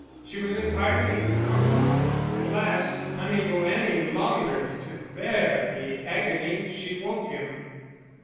She was entirely humbled. At last, unable any longer to bear the agony, she woke him.